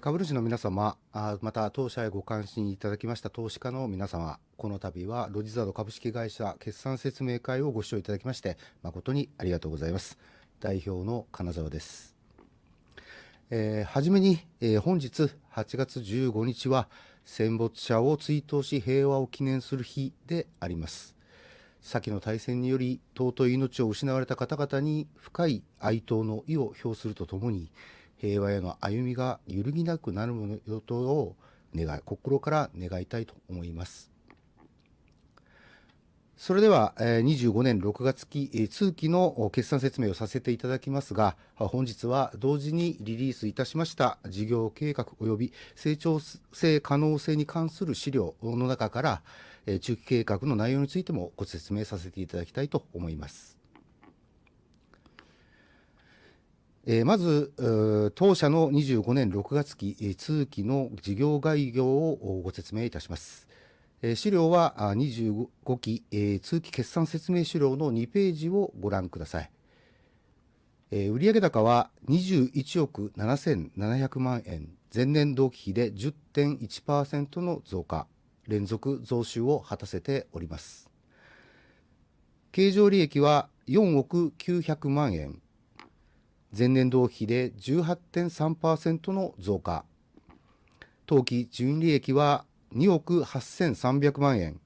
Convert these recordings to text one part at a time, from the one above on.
株主の皆様、また当社へご関心いただきました投資家の皆様、このたびはロジザード株式会社決算説明会をご視聴いただきまして、誠にありがとうございます。代表の金澤です。初めに、本日8月15日は戦没者を追悼し平和を記念する日であります。先の大戦により尊い命を失われた方々に深い哀悼の意を表するとともに、平和への歩みが揺るぎなくなることを願い、心から願いたいと思います。それでは、2025年6月期通期の決算説明をさせていただきますが、本日は同時にリリースいたしました事業計画および成長可能性に関する資料の中から、中期計画の内容についてもご説明させていただきたいと思います。まず、当社の2025年6月期通期の事業概要をご説明いたします。資料は、25期通期決算説明資料の2ページをご覧ください。売上高は21億 7,700 万円、前年同期比で 10.1% の増加、連続増収を果たせております。経常利益は4億900万円、前年同期比で 18.3% の増加。当期純利益は2億 8,300 万円、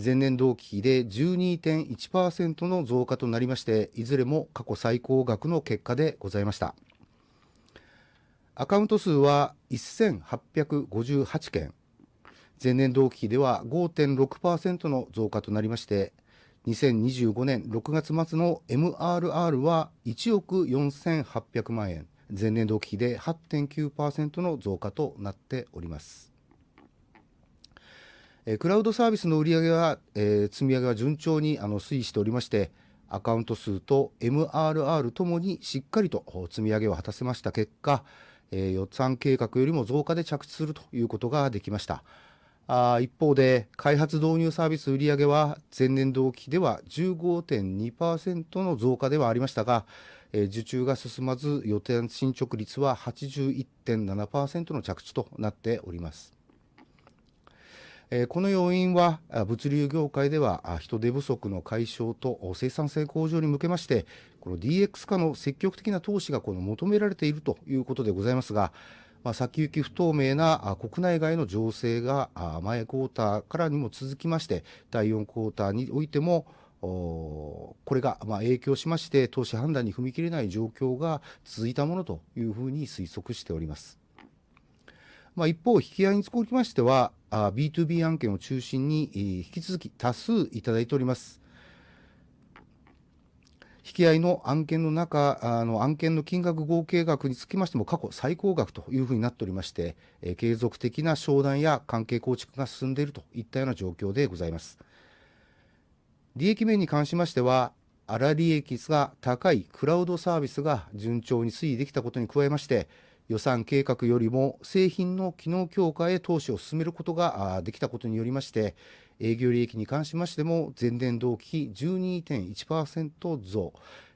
前年同期比で 12.1% の増加となりまして、いずれも過去最高額の結果でございました。アカウント数は 1,858 件、前年同期比では 5.6% の増加となりまして、2025年6月末の MRR は1億 4,800 万円、前年同期比で 8.9% の増加となっております。クラウドサービスの売上は積み上げは順調に推移しておりまして、アカウント数と MRR ともにしっかりと積み上げを果たせました結果、予算計画よりも増加で着地するということができました。一方で開発導入サービス売上は前年同期比では 15.2% の増加ではありましたが、受注が進まず予定の進捗率は 81.7% の着地となっております。この要因は、物流業界では人手不足の解消と生産性向上に向けまして、この DX 化の積極的な投資が求められているということでございますが、先行き不透明な国内外の情勢が前クォーターからにも続きまして、第4クォーターにおいても、これが影響しまして、投資判断に踏み切れない状況が続いたものというふうに推測しております。一方引き合いにつきましては、BtoB 案件を中心に、引き続き多数いただいております。引き合いの案件の中、案件の金額合計額につきましても過去最高額というふうになっておりまして、継続的な商談や関係構築が進んでいるといったような状況でございます。利益面に関しましては、粗利益が高いクラウドサービスが順調に推移できたことに加えまして、予算計画よりも製品の機能強化へ投資を進めることができたことによりまして、営業利益に関しましても前年同期比 12.1% 増、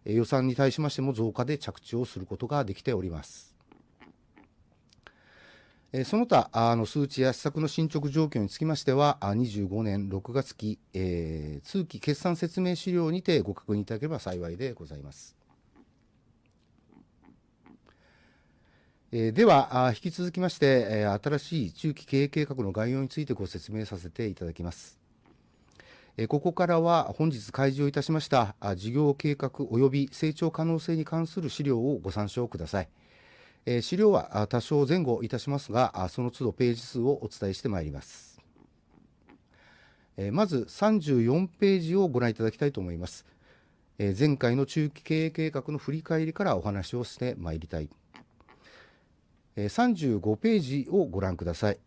予算に対しましても増加で着地をすることができております。その他、数値や施策の進捗状況につきましては、2025年6月期通期決算説明資料にてご確認いただければ幸いでございます。では、引き続きまして、新しい中期経営計画の概要についてご説明させていただきます。ここからは本日開示をいたしました、事業計画および成長可能性に関する資料をご参照ください。資料は、多少前後いたしますが、その都度ページ数をお伝えしてまいります。まず34ページをご覧いただきたいと思います。前回の中期経営計画の振り返りからお話をしてまいりたい。35ページをご覧ください。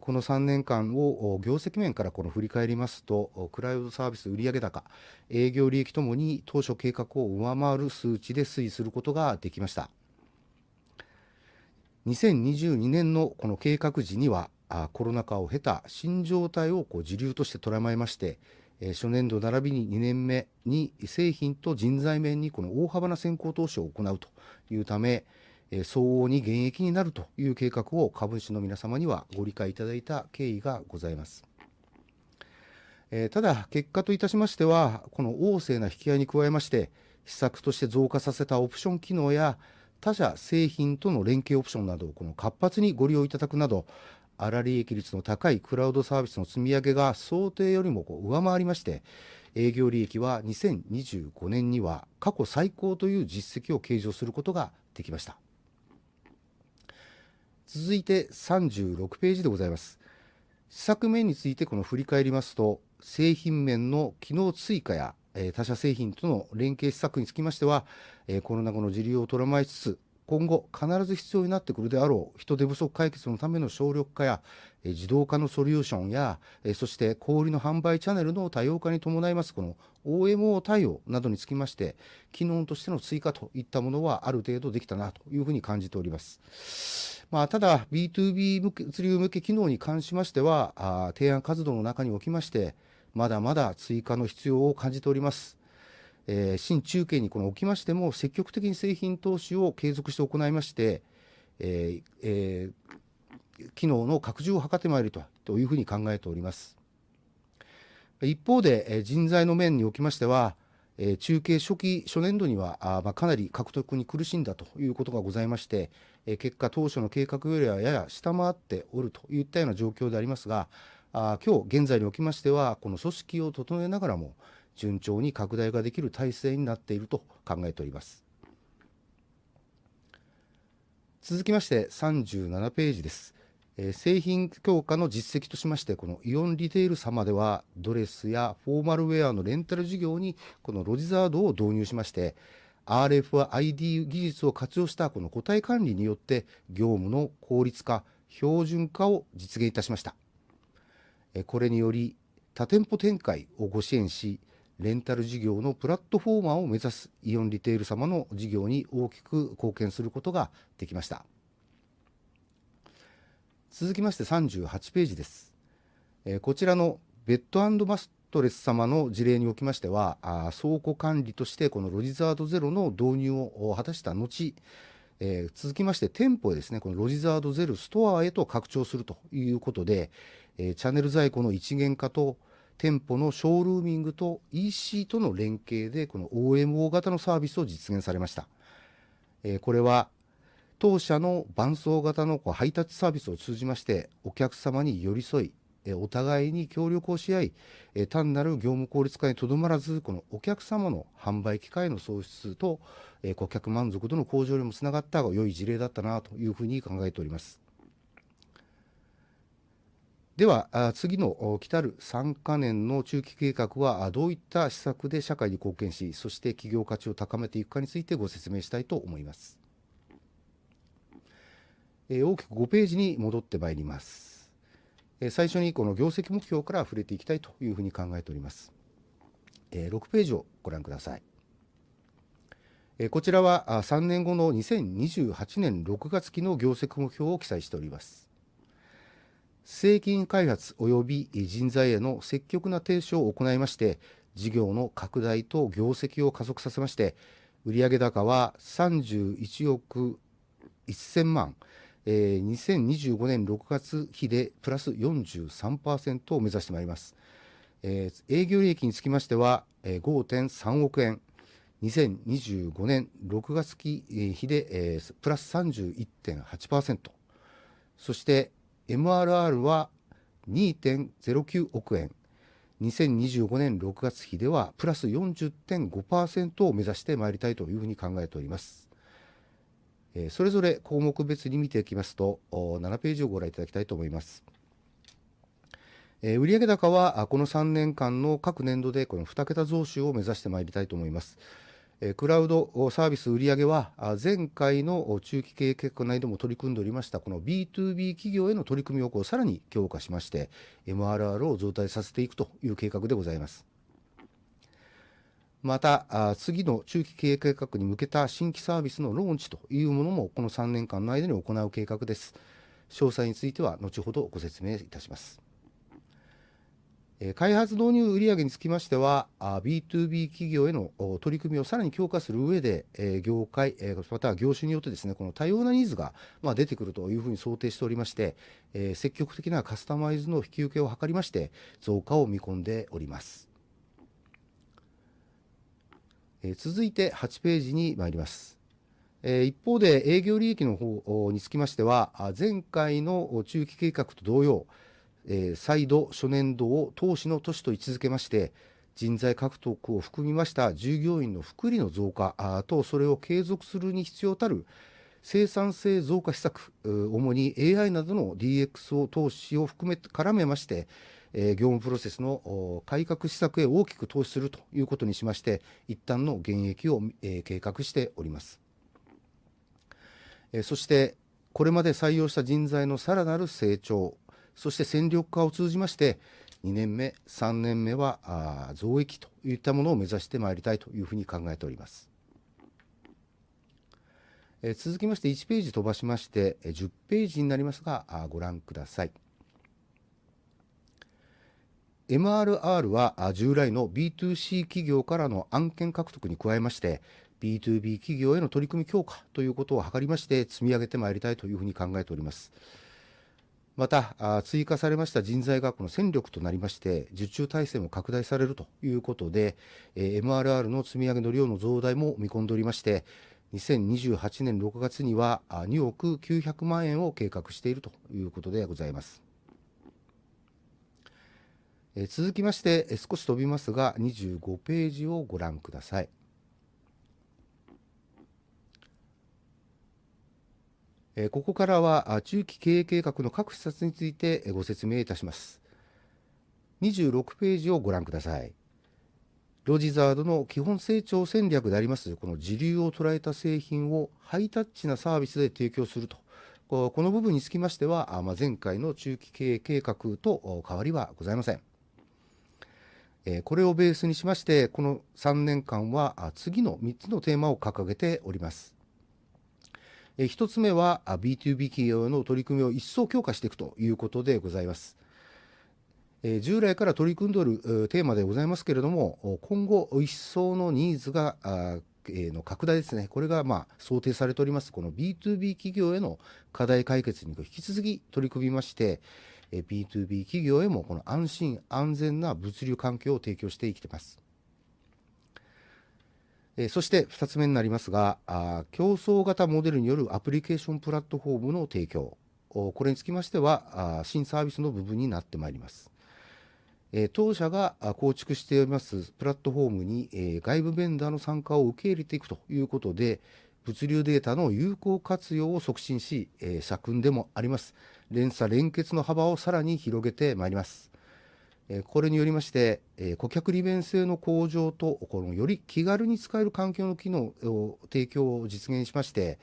この3年間を業績面からこの振り返りますと、クラウドサービス売上高、営業利益ともに当初計画を上回る数値で推移することができました。2022年のこの計画時には、コロナ禍を経た新状態を時流として捉えまして、初年度並びに2年目に製品と人材面にこの大幅な先行投資を行うため、相応に減益になるという計画を株主の皆様にはご理解いただいた経緯がございます。ただ結果といたしましては、この旺盛な引き合いに加えまして、施策として増加させたオプション機能や他社製品との連携オプションなどをこの活発にご利用いただくなど、粗利益率の高いクラウドサービスの積み上げが想定よりも上回りまして、営業利益は2025年には過去最高という実績を計上することができました。続いて36ページでございます。施策面についてこの振り返りますと、製品面の機能追加や他社製品との連携施策につきましては、コロナ後の時流を捉えつつ、今後必ず必要になってくるであろう人手不足解決のための省力化や自動化のソリューションや、そして小売りの販売チャネルの多様化に伴いますこの OMO 対応などにつきまして、機能としての追加といったものはある程度できたなというふうに感じております。ただ BtoB 向け、物流向け機能に関しましては、提案活動の中におきましてまだまだ追加の必要を感じております。新中計におきましても積極的に製品投資を継続して行いまして、機能の拡充を図ってまいりたいというふうに考えております。一方で、人材の面におきましては、中計初期、初年度には、かなり獲得に苦しんだということがございまして、結果当初の計画よりはやや下回っているといったような状況でありますが、今日現在におきましてはこの組織を整えながらも順調に拡大ができる体制になっていると考えております。続きまして37ページです。製品強化の実績としましてこのイオンリテール様ではドレスやフォーマルウェアのレンタル事業にこのロジザードを導入しまして、RFID 技術を活用したこの個体管理によって業務の効率化、標準化を実現いたしました。これにより多店舗展開をご支援し、レンタル事業のプラットフォーマーを目指すイオンリテール様の事業に大きく貢献することができました。続きまして38ページです。こちらのベッドアンドマットレス様の事例におきましては、倉庫管理としてこのロジザードゼロの導入を果たした後、続きまして店舗へですね、このロジザードゼロストアへと拡張するということで、チャネル在庫の一元化と店舗のショールーミングと EC との連携でこの OMO 型のサービスを実現されました。これは当社の伴走型の配達サービスを通じましてお客様に寄り添い、お互いに協力をし合い、単なる業務効率化にとどまらずこのお客様の販売機会の創出と顧客満足度の向上にもつながった良い事例だったなというふうに考えております。では、次の来る3か年の中期計画は、どういった施策で社会に貢献し、そして企業価値を高めていくかについてご説明したいと思います。大きく5ページに戻ってまいります。最初にこの業績目標から触れていきたいというふうに考えております。6ページをご覧ください。こちらは、3年後の2028年6月期の業績目標を記載しております。製品開発および人材への積極な投資を行いまして、事業の拡大と業績を加速させまして、売上高は31億 1,000 万、2025年6月期でプラス 43% を目指してまいります。営業利益につきましては、5.3 億円、2025年6月期でプラス 31.8%。そして MRR は 2.09 億円、2025年6月期でプラス 40.5% を目指してまいりたいというふうに考えております。それぞれ項目別に見ていきますと、7ページをご覧いただきたいと思います。売上高は、この3年間の各年度でこの2桁増収を目指してまいりたいと思います。クラウドサービス売上は、前回の中期経営計画の間も取り組んでおりましたこの BtoB 企業への取り組みを、さらに強化しまして MRR を増大させていくという計画でございます。また、次の中期経営計画に向けた新規サービスのローンチというものもこの3年間の間に行う計画です。詳細については後ほどご説明いたします。開発導入売上につきましては、BtoB 企業への取り組みをさらに強化する上で、業界、または業種によってですね、この多様なニーズが出てくるというふうに想定しておりまして、積極的なカスタマイズの引き受けを図りまして増加を見込んでおります。続いて8ページにまいります。一方で営業利益のほうにつきましては、前回の中期計画と同様、再度初年度を投資の年と位置づけまして、人材獲得を含みました従業員の福利の増加、とそれを継続するに必要たる生産性増加施策、主に AI などの DX を投資を含め、絡めまして、業務プロセスの改革施策へ大きく投資するということにしまして、一旦の減益を計画しております。そしてこれまで採用した人材のさらなる成長、そして戦力化を通じまして2年目、3年目は増益といったものを目指してまいりたいというふうに考えております。続きまして1ページ飛ばしまして、10ページになりますが、ご覧ください。MRR は、従来の BtoC 企業からの案件獲得に加えまして BtoB 企業への取り組み強化ということを図りまして積み上げてまいりたいというふうに考えております。また、追加されました人材確保の戦力となりまして受注体制も拡大されるということで、MRR の積み上げの量の増大も見込んでおりまして、2028年6月には、2億900万円を計画しているということでございます。続きまして、少し飛びますが25ページをご覧ください。ここからは、中期経営計画の各施策について、ご説明いたします。26ページをご覧ください。ロジザードの基本成長戦略でありますこの時流を捉えた製品をハイタッチなサービスで提供すると、この部分につきましては、前回の中期経営計画と変わりはございません。これをベースにしましてこの3年間は、次の3つのテーマを掲げております。1つ目は、BtoB 企業への取り組みを一層強化していくということでございます。従来から取り組んでいるテーマでございますけれども、今後一層のニーズの拡大ですね、これが想定されておりますこの BtoB 企業への課題解決に引き続き取り組みまして、BtoB 企業へもこの安心安全な物流環境を提供していきます。そして2つ目になりますが、競争型モデルによるアプリケーションプラットフォームの提供、これにつきましては、新サービスの部分になってまいります。当社が構築しておりますプラットフォームに、外部ベンダーの参加を受け入れていくということで物流データの有効活用を促進し、社訓でもあります連鎖連結の幅をさらに広げてまいります。これによりまして、顧客利便性の向上と、このより気軽に使える環境の機能を提供を実現しまして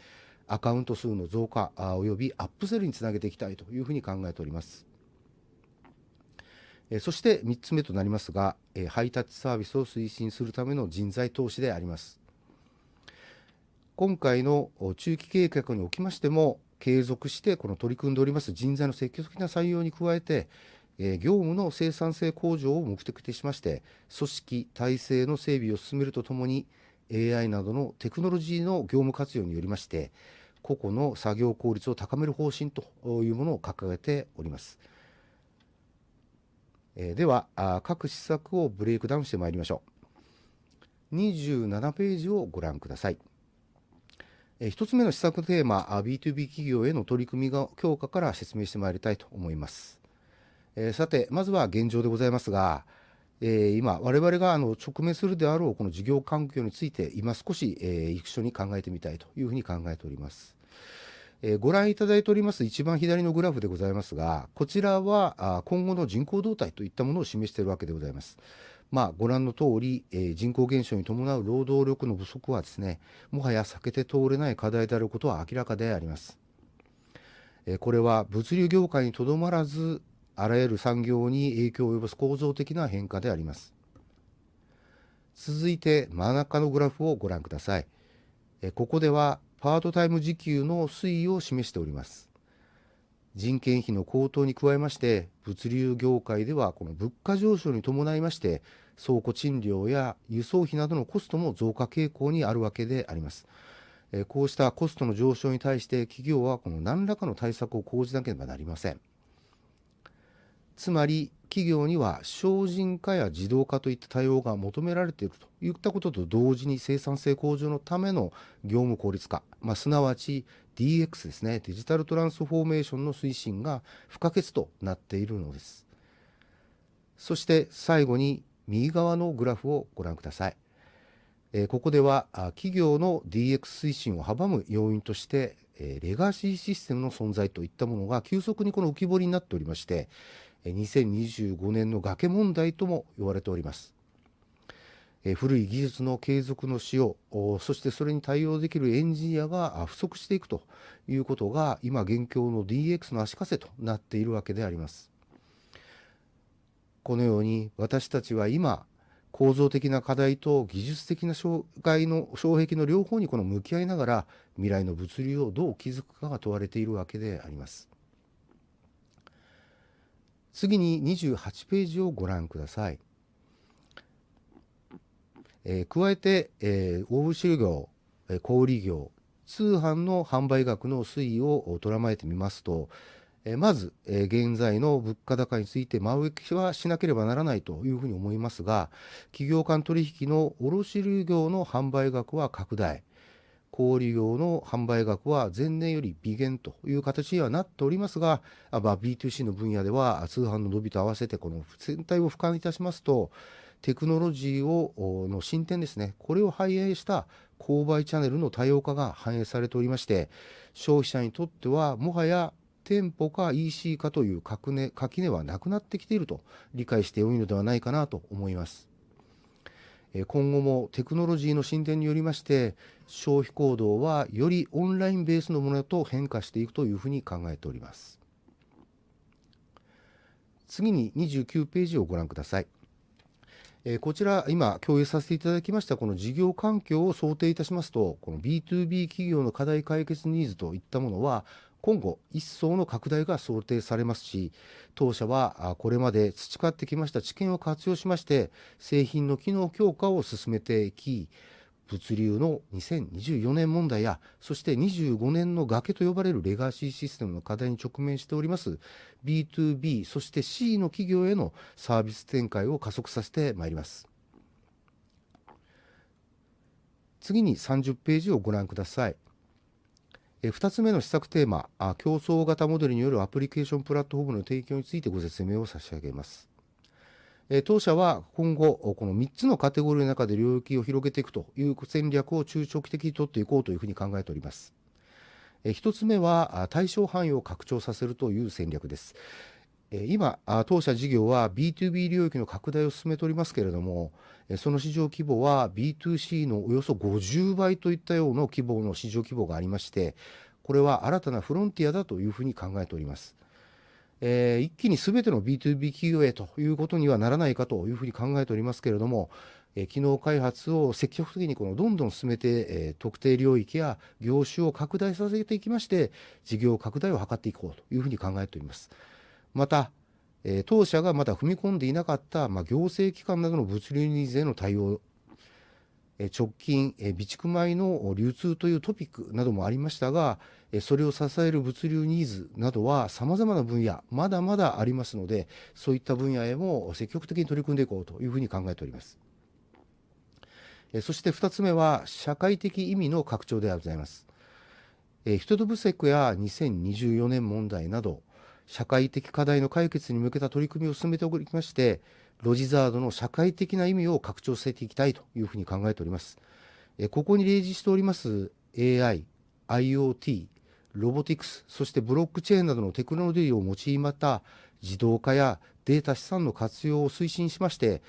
アカウント数の増加、およびアップセルにつなげていきたいというふうに考えております。そして3つ目となりますが、ハイタッチサービスを推進するための人材投資であります。今回の中期計画におきましても継続してこの取り組んでおります人材の積極的な採用に加えて、業務の生産性向上を目的としまして組織体制の整備を進めるとともに AI などのテクノロジーの業務活用によりまして個々の作業効率を高める方針というものを掲げております。では、各施策をブレイクダウンしてまいりましょう。27ページをご覧ください。1つ目の施策テーマ、BtoB 企業への取り組みが強化から説明してまいりたいと思います。さてまずは現状でございますが、今我々が直面するであろうこの事業環境について今少し、一緒に考えてみたいというふうに考えております。ご覧いただいております一番左のグラフでございますが、こちらは、今後の人口動態といったものを示してるわけでございます。ご覧のとおり、人口減少に伴う労働力の不足はですね、もはや避けて通れない課題であることは明らかであります。これは物流業界にとどまらずあらゆる産業に影響を及ぼす構造的な変化であります。続いて真ん中のグラフをご覧ください。ここではパートタイム時給の推移を示しております。人件費の高騰に加えまして物流業界ではこの物価上昇に伴いまして倉庫賃料や輸送費などのコストも増加傾向にあるわけであります。こうしたコストの上昇に対して企業はこの何らかの対策を講じなければなりません。つまり企業には省人化や自動化といった対応が求められているといったことと同時に生産性向上のための業務効率化、すなわち DX ですね、デジタルトランスフォーメーションの推進が不可欠となっているのです。そして最後に右側のグラフをご覧ください。ここでは、企業の DX 推進を阻む要因として、レガシーシステムの存在といったものが急速にこの浮き彫りになっておりまして、2025年の崖問題とも言われております。古い技術の継続の使用、そしてそれに対応できるエンジニアが不足していくということが今現況の DX の足かせとなっているわけであります。このように私たちは今構造的な課題と技術的な障害の障壁の両方にこの向き合いながら未来の物流をどう築くかが問われているわけであります。次に28ページをご覧ください。加えて、卸売業、小売業、通販の販売額の推移を捉えてみますと、まず、現在の物価高について間引きはしなければならないというふうに思いますが、企業間取引の卸売業の販売額は拡大、小売業の販売額は前年より微減という形にはなっておりますが、BtoC の分野では、通販の伸びと合わせてこの全体を俯瞰いたしますとテクノロジーの進展ですね、これを反映した購買チャネルの多様化が反映されておりまして、消費者にとってはもはや店舗か EC かという垣根はなくなってきていると理解してよいのではないかなと思います。今後もテクノロジーの進展によりまして消費行動はよりオンラインベースのものへと変化していくというふうに考えております。次に29ページをご覧ください。こちら今共有させていただきましたこの事業環境を想定いたしますとこの BtoB 企業の課題解決ニーズといったものは今後一層の拡大が想定されますし、当社は、これまで培ってきました知見を活用しまして製品の機能強化を進めていき、物流の2024年問題やそして25年の崖と呼ばれるレガシーシステムの課題に直面しております BtoB、そして C の企業へのサービス展開を加速させてまいります。次に30ページをご覧ください。2つ目の施策テーマ、競争型モデルによるアプリケーションプラットフォームの提供についてご説明を差し上げます。当社は今後、この3つのカテゴリーの中で領域を広げていくという戦略を中長期的に取っていこうというふうに考えております。1つ目は、対象範囲を拡張させるという戦略です。今、当社事業は BtoB 領域の拡大を進めておりますけれども、その市場規模は BtoC のおよそ50倍といったような規模の市場規模がありまして、これは新たなフロンティアだというふうに考えております。一気にすべての BtoB 企業へということにはならないかというふうに考えておりますけれども、機能開発を積極的にこのどんどん進めて、特定領域や業種を拡大させていきまして事業拡大を図っていこうというふうに考えております。また、当社がまだ踏み込んでいなかった、行政機関などの物流ニーズへの対応、直近、備蓄米の流通というトピックなどもありましたが、それを支える物流ニーズなどは様々な分野まだまだありますので、そういった分野へも積極的に取り組んでいこうというふうに考えております。そして2つ目は社会的意味の拡張でございます。人手不足や2024年問題など社会的課題の解決に向けた取り組みを進めておりまして、ロジザードの社会的な意味を拡張させていきたいというふうに考えております。ここに例示しております AI、IoT、ロボティクス、そしてブロックチェーンなどのテクノロジーを用いまた自動化やデータ資産の活用を推進しまして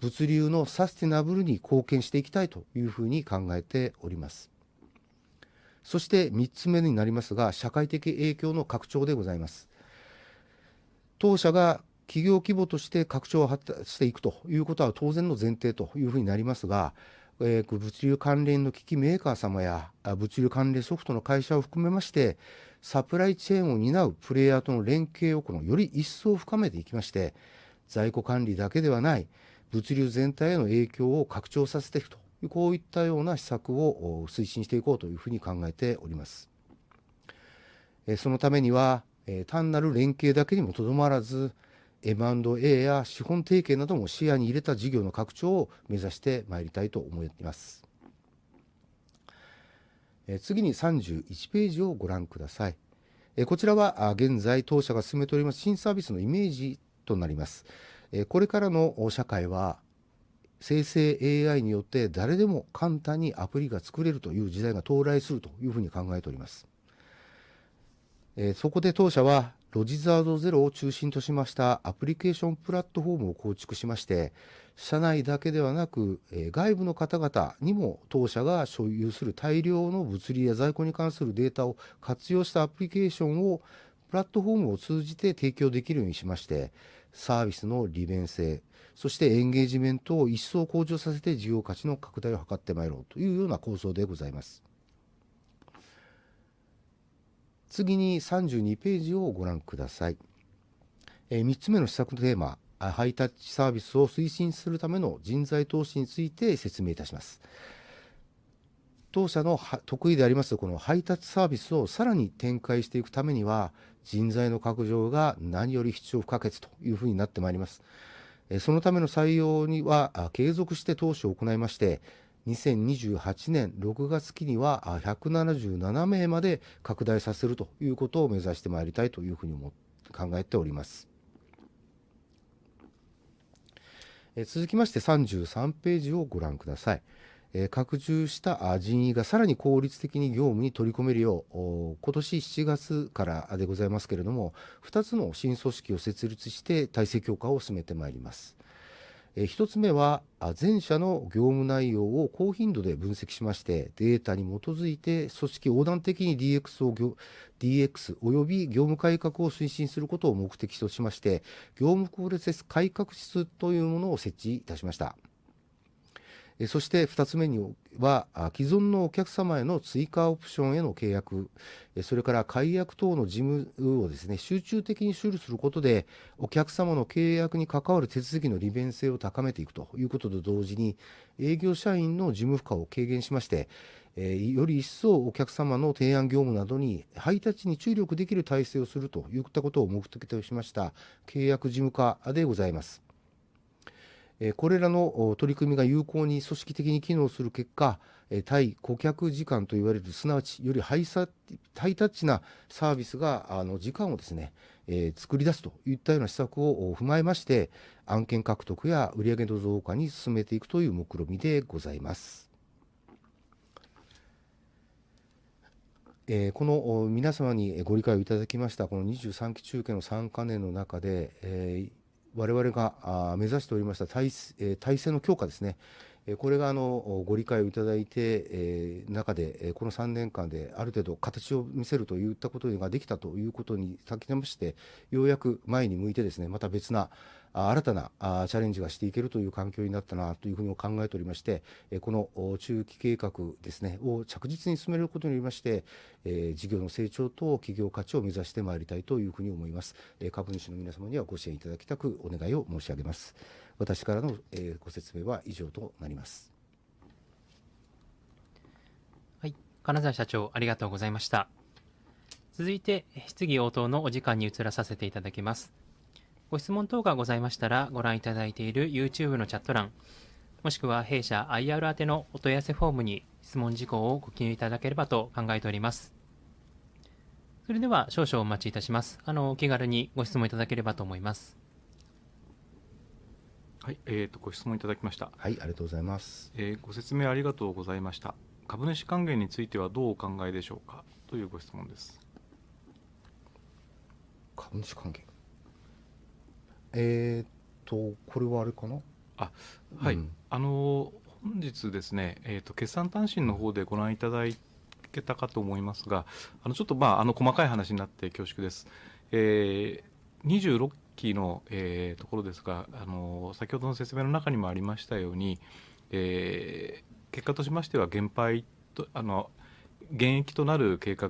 物流のサステナブルに貢献していきたいというふうに考えております。そして3つ目になりますが社会的影響の拡張でございます。当社が企業規模として拡張を果たしていくということは当然の前提というふうになりますが、物流関連の機器メーカー様や、物流関連ソフトの会社を含めましてサプライチェーンを担うプレーヤーとの連携をこのより一層深めていきまして在庫管理だけではない物流全体への影響を拡張させていくというこういったような施策を推進していこうというふうに考えております。そのためには、単なる連携だけにもとどまらず M&A や資本提携なども視野に入れた事業の拡張を目指してまいりたいと思います。次に31ページをご覧ください。こちらは、現在当社が進めております新サービスのイメージとなります。これからの社会は生成 AI によって誰でも簡単にアプリが作れるという時代が到来するというふうに考えております。そこで当社はロジザードゼロを中心としましたアプリケーションプラットフォームを構築しまして社内だけではなく、外部の方々にも当社が所有する大量の物流や在庫に関するデータを活用したアプリケーションをプラットフォームを通じて提供できるようにしましてサービスの利便性、そしてエンゲージメントを一層向上させて事業価値の拡大を図ってまいろうというような構想でございます。次に32ページをご覧ください。3つ目の施策テーマ、ハイタッチサービスを推進するための人材投資について説明いたします。当社の得意でありますこのハイタッチサービスをさらに展開していくためには人材の拡充が何より必要不可欠というふうになってまいります。そのための採用には、継続して投資を行いまして2028年6月期には、177名まで拡大させるということを目指してまいりたいというふうに考えております。続きまして33ページをご覧ください。拡充した人員がさらに効率的に業務に取り組めるよう、今年7月からでございますけれども2つの新組織を設立して体制強化を進めてまいります。1つ目は、全社の業務内容を高頻度で分析しましてデータに基づいて組織横断的に DX および業務改革を推進することを目的としまして業務プロセス改革室というものを設置いたしました。そして2つ目には、既存のお客様への追加オプションへの契約、それから解約等の事務をですね集中的に処理することでお客様の契約に関わる手続きの利便性を高めていくということと同時に営業社員の事務負荷を軽減しまして、より一層お客様の提案業務などにハイタッチに注力できる体制をするということを目的としました契約事務課でございます。これらの取り組みが有効に組織的に機能する結果、対顧客時間と言われるすなわちよりハイタッチなサービスが時間をですね、作り出すといったような施策を踏まえまして案件獲得や売上の増加に進めていくという目論見でございます。この皆様にご理解をいただきましたこの23期中計の3か年の中で、我々が目指しておりました体制、体制の強化ですね、これが、ご理解をいただいて、中で、この3年間である程度形を見せるといったことができたということに先立ってようやく前に向いてですねまた別な、新たなチャレンジがしていけるという環境になったなというふうに考えておりまして、この中期計画ですねを着実に進めることによりまして、事業の成長と企業価値を目指してまいりたいというふうに思います。株主の皆様にはご支援いただきたくお願いを申し上げます。私からのご説明は以上となります。はい、金澤社長ありがとうございました。続いて質疑応答のお時間に移らさせていただきます。ご質問等がございましたらご覧いただいている YouTube のチャット欄、もしくは弊社 IR 宛のお問い合わせフォームに質問事項をご記入いただければと考えております。それでは少々お待ちいたします。お気軽にご質問いただければと思います。はい、ご質問いただきました。はい、ありがとうございます。ご説明ありがとうございました。株主還元についてはどうお考えでしょうかというご質問です。株主還元。これはあれかな。はい。本日ですね、決算短信のほうでご覧いただけたかと思いますが、ちょっと、細かい話になって恐縮です。26期のところですが、先ほどの説明の中にもありましたように、結果としましては減配と、減益となる計画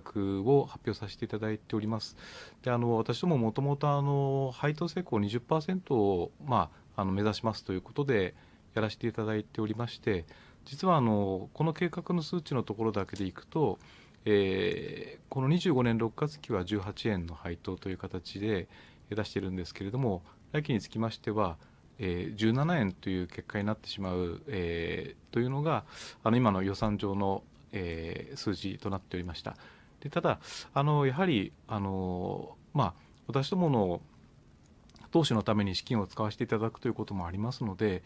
を発表させていただいております。で、私ども元々配当性向 20% を目指しますということでやらしていただいておりまして、実はこの計画の数値のところだけでいくと、この2025年6月期は18円の配当という形で、出してるんですけれども、来期につきましては、17円という結果になってしまう、というのが今の予算上の数字となっておりました。で、ただ、やはり、私どもの投資のために資金を使わせていただくということもありますので、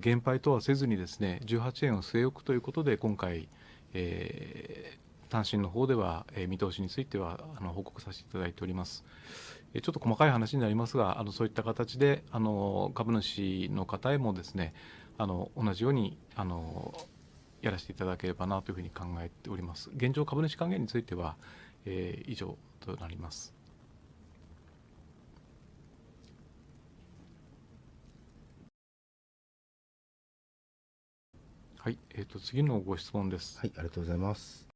減配とはせずにですね、18円を据え置くということで今回、短信のほうでは、見通しについては、報告させていただいております。ちょっと細かい話になりますが、そういった形で、株主の方へもですね、同じように、やらしていただければなというふうに考えております。現状株主還元については、以上となります。はい、次のご質問です。はい、ありがとうございます。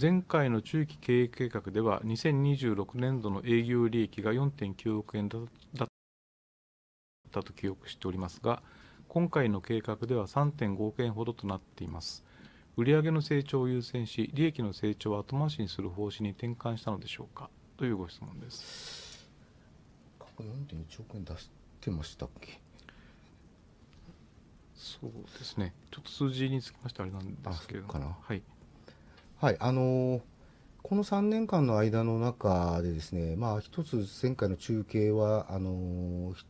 前回の中期経営計画では2026年度の営業利益が 4.9 億円だったと記憶しておりますが、今回の計画では 3.5 億円ほどとなっています。売上の成長を優先し、利益の成長は後回しにする方針に転換したのでしょうかというご質問です。過去 4.1 億円出してましたっけ。そうですね。ちょっと数字につきましてはあれなんですけど。かな。はい。はい、この3年間の間の中でですね、一つ前回の中計は、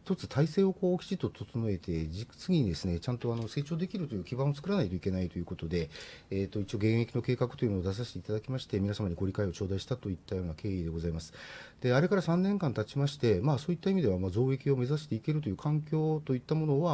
一つ体制をこうきちっと整えて、次にですね、ちゃんと成長できるという基盤を作らないといけないということで、一応減益の計画というのを出させていただきまして、皆様にご理解を頂戴したといったような経緯でございます。で、あれから3年間経ちまして、そういった意味では、増益を目指していけるという環境といったものは、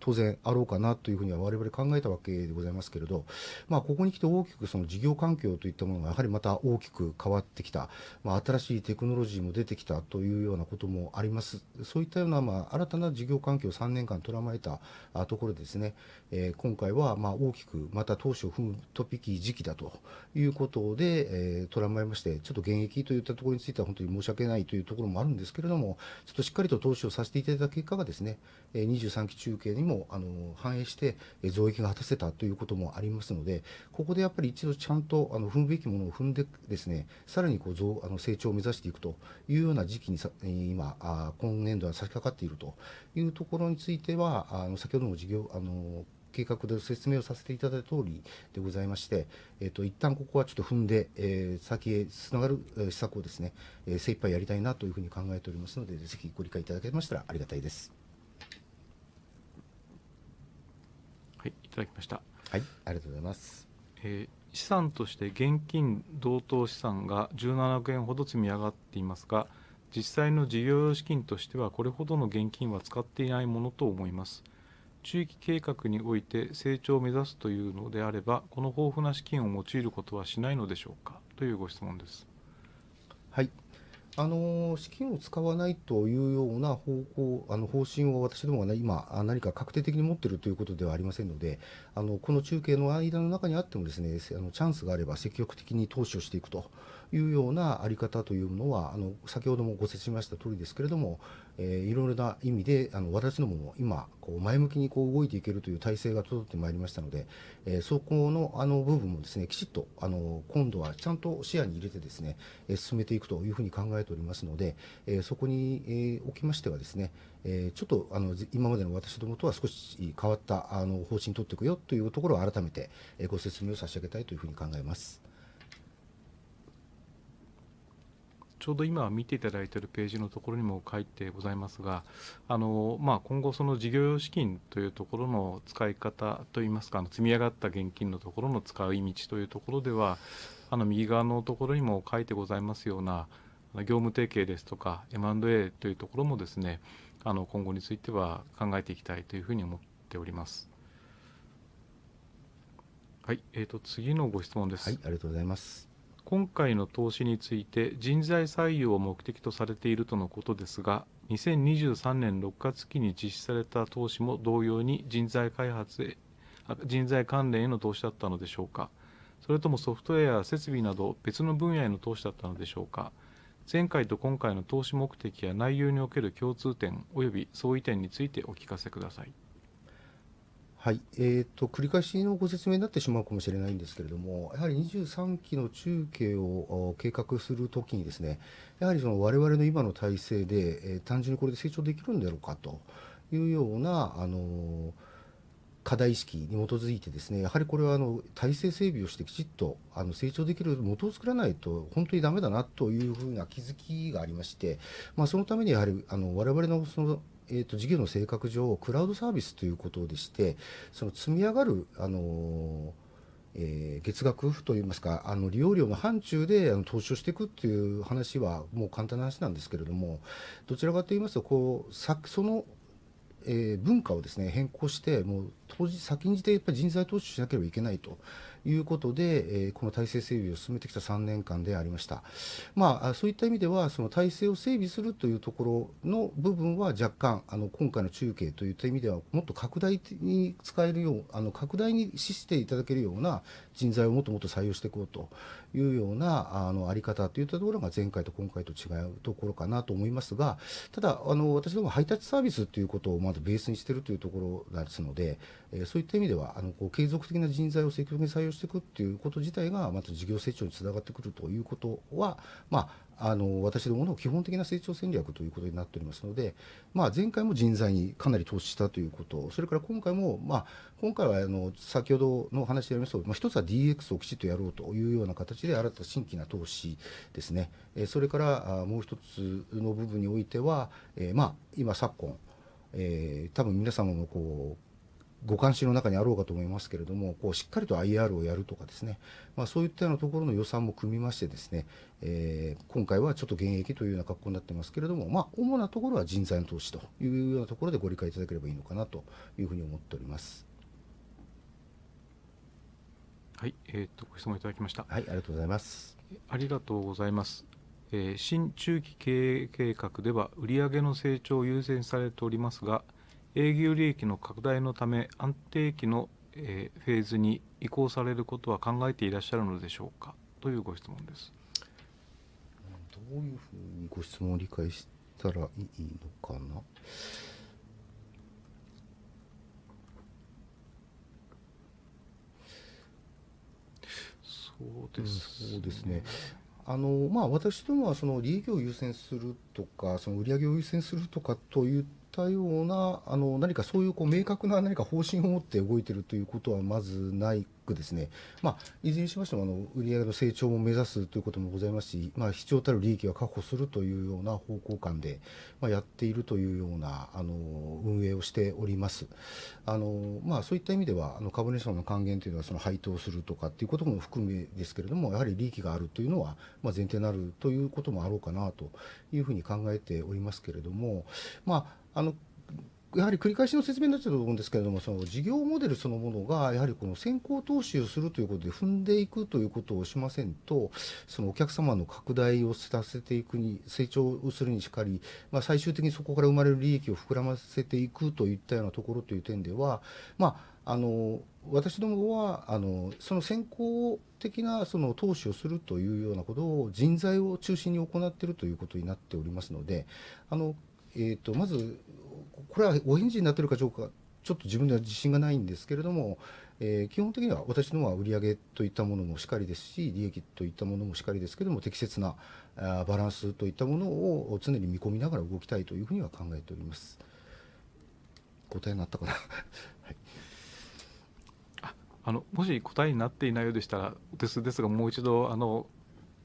当然あろうかなというふうには我々考えたわけでございますけれど、ここに来て大きくその事業環境といったものがやはりまた大きく変わってきた、新しいテクノロジーも出てきたというようなこともあります。そういったような、新たな事業環境を3年間捉えたところでですね、今回は、大きくまた投資を踏む時期だということで、捉えまして、ちょっと減益といったところについては本当に申し訳ないというところもあるんですけれども、ちょっとしっかりと投資をさせていただく結果がですね、23期中計にも、反映して、増益が果たせたということもありますので、ここでやっぱり一度ちゃんと、踏むべきものを踏んでく、ですね、さらにこう成長を目指していくというような時期に、今年度は差し掛かっているというところについては、先ほどの事業、計画で説明をさせていただいたとおりでございまして、一旦ここはちょっと踏んで、先へつながる、施策をですね、精一杯やりたいなというふうに考えておりますので、ぜひご理解いただけましたらありがたいです。はい、いただきました。はい、ありがとうございます。資産として現金同等資産が17億円ほど積み上がっていますが、実際の事業用資金としてはこれほどの現金は使っていないものと思います。中期計画において成長を目指すというのであれば、この豊富な資金を用いることはしないのでしょうかというご質問です。はい。資金を使わないというような方向、方針を私どもがね、今、何か確定的に持ってるということではありませんので、この中計の間の中にあってもですね、チャンスがあれば積極的に投資をしていくというようなあり方というものは、先ほどもご説明しましたとおりですけれども、いろいろな意味で、私どもも今、こう前向きにこう動いていけるという体制が整ってまいりましたので、そこの、部分もですね、きちっと、今度はちゃんと視野に入れてですね、進めていくというふうに考えておりますので、そこに、おきましてはですね、ちょっと、今までの私どもとは少し、変わった、方針取ってくよというところを改めて、ご説明を差し上げたいというふうに考えます。ちょうど今見ていただいてるページのところにも書いてございますが、今後その事業用資金というところの使い方といいますか、積み上がった現金のところの使い道というところでは、右側のところにも書いてございますような、業務提携ですとか M&A というところもですね、今後については考えていきたいというふうに思っております。はい、次のご質問です。はい、ありがとうございます。今回の投資について人材採用を目的とされているとのことですが、2023年6月期に実施された投資も同様に人材関連への投資だったのでしょうか。それともソフトウェア、設備など別の分野への投資だったのでしょうか。前回と今回の投資目的や内容における共通点および相違点についてお聞かせください。はい、繰り返しのご説明になってしまうかもしれないんですけれども、やはり23期の中計を、計画するときにですね、やはりその我々の今の体制で、単純にこれで成長できるんだろうかというような、課題意識に基づいてですね、やはりこれは、体制整備をしてきちっと、成長できる元を作らないとほんとにだめだなというふうな気づきがありまして、そのためにやはり、我々のその、事業の性格上クラウドサービスということでして、その積み上がる、月額というんですか、利用料の範疇で、投資をしてくっていう話はもう簡単な話なんですけれども、どちらかといいますとこう、その、文化をですね、変更して、もう、先んじてやっぱり人材投資しなければいけないということで、この体制整備を進めてきた3年間でありました。そういった意味ではその体制を整備するというところの部分は若干、今回の中計といった意味ではもっと拡大に使えるよう、拡大に資していただけるような人材をもっともっと採用してこうというような、あり方といったところが前回と今回と違うところかなと思いますが、ただ、私どもハイタッチサービスっていうことをまずベースにしてるというところですので、そういった意味では、こう継続的な人材を積極的に採用してくっていうこと自体がまた事業成長につながってくるということは、私どもの基本的な成長戦略ということになっておりますので、前回も人材にかなり投資したということ、それから今回も、今回は、先ほどのお話でありますように、一つは DX をきちっとやろうというような形で新たな投資ですね、それから、もう一つの部分においては、今昨今、多分皆様もこうご関心の中にあろうかと思いますけれども、こうしっかりと IR をやるとかですね、そういったようなところの予算も組みましてですね、今回はちょっと減益というような格好になってますけれども、主なところは人材の投資というようなところでご理解いただければいいのかなというふうに思っております。はい、ご質問いただきました。はい、ありがとうございます。ありがとうございます。新中期経営計画では売上の成長を優先されておりますが、営業利益の拡大のため安定期の、フェーズに移行されることは考えていらっしゃるのでしょうかというご質問です。うーん、どういうふうにご質問理解したらいいのかな。そうですね。私どもはその利益を優先するとか、その売上を優先するとかといったような、何かそういうこう明確な何か方針を持って動いてるということはまずないくですね、いずれにしましても、売上の成長も目指すということもございますし、必要たる利益は確保するというような方向感で、やっているというような、運営をしております。そういった意味では、株主さんの還元というのはその配当するとかっていうことも含めですけれども、やはり利益があるというのは、前提になるということもあろうかなというふうに考えておりますけれども、やはり繰り返しの説明になっちゃうと思うんですけれども、その事業モデルそのものがやはりこの先行投資をするということで踏んでいくということをしませんと、そのお客様の拡大をさせていくに、成長をするにしかり、最終的にそこから生まれる利益を膨らませていくといったようなところという点では、私どもは、その先行的なその投資をするというようなことを人材を中心に行ってるということになっておりますので、これはお返事になってるかどうかちょっと自分では自信がないんですけれども、基本的には私どもは売上といったものもしかりですし、利益といったものもしかりですけども、適切な、バランスといったものを常に見込みながら動きたいというふうには考えております。答えになったかな。はい。もし答えになっていないようでしたらお手数ですがもう一度、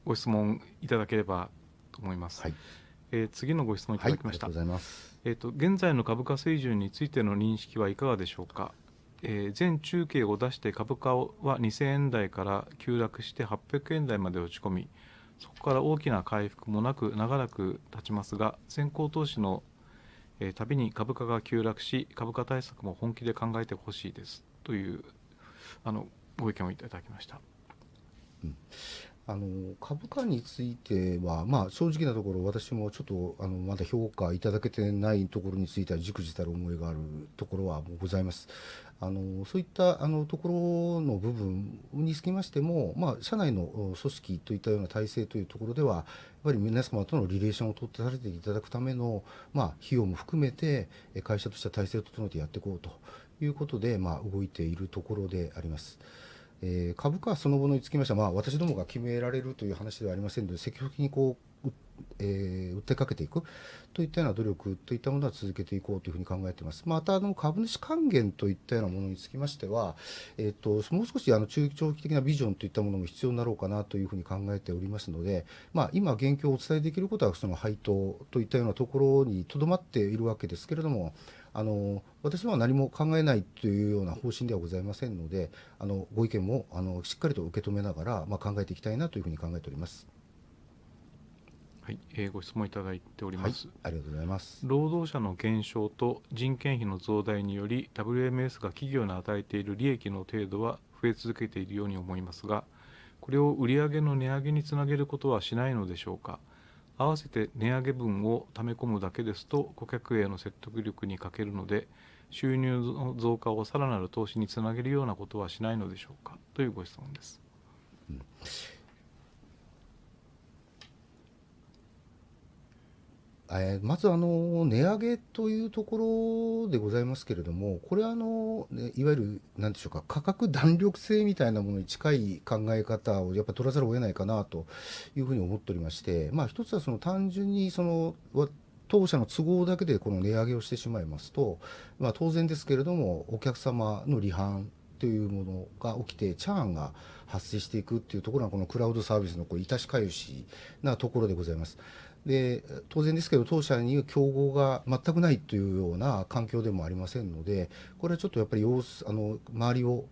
ご質問いただければと思います。はい。次のご質問いただきました。はい、ありがとうございます。現在の株価水準についての認識はいかがでしょうか。前中計を出して株価をは 2,000 円台から急落して800円台まで落ち込み、そこから大きな回復もなく長らく経ちますが、先行投資の、たびに株価が急落し、株価対策も本気で考えてほしいですという、ご意見をいただきました。うん。株価については、正直なところ私もちょっと、まだ評価いただけてないところについては忸怩たる思いがあるところはもうございます。そういった、ところの部分につきましても、社内の、組織といったような体制というところでは、やっぱり皆様とのリレーションを取ってられていただくための、費用も含めて、会社としては体制を整えてやってこうということで、動いているところであります。株価そのものにつきましては、私どもが決められるという話ではありませんので、積極的にこう、訴えかけていくといったような努力といったものは続けていこうというふうに考えてます。また、株主還元といったようなものにつきましては、もう少し、中、長期的なビジョンといったものも必要になろうかなというふうに考えておりますので、今現況をお伝えできることはその配当といったようなところにとどまっているわけですけれども、私どもは何も考えないというような方針ではございませんので、ご意見も、しっかりと受け止めながら、考えていきたいなというふうに考えております。はい、ご質問いただいております。はい、ありがとうございます。労働者の減少と人件費の増大により WMS が企業に与えている利益の程度は増え続けているように思いますが、これを売上の値上げにつなげることはしないのでしょうか。あわせて値上げ分をため込むだけですと顧客への説得力に欠けるので、収入の増加をさらなる投資につなげるようなことはしないのでしょうかというご質問です。うん。まずその、値上げというところでございますけれども、これは、いわゆるなんでしょうか、価格弾力性みたいなものに近い考え方をやっぱ取らざるを得ないかなというふうに思っておりまして、一つはその単純にその、当社の都合だけでこの値上げをしてしまいますと、当然ですけれどもお客様の離反というものが起きてチャーンが発生していくっていうところがこのクラウドサービスのこういたしかゆしなところでございます。で、当然ですけど当社に競合がまったくないというような環境でもありませんので、これはちょっとやっぱり様子、周りを、